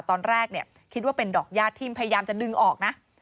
ตอนแรกคิดว่าเป็นดอกยาทิมพยายามจะดึงออกนะ